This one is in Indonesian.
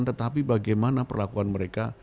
tetapi bagaimana perlakuan mereka